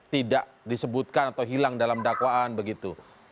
tidak disebutkan atau hilang dalam dakwaan begitu